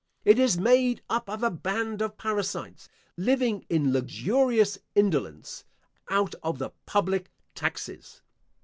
It is made up of a band of parasites, living in luxurious indolence, out of the public taxes.